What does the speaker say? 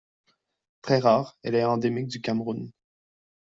Très rare, elle est endémique du Cameroun.